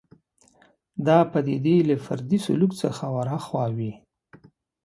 دا پدیدې له فردي سلوک څخه ورهاخوا وي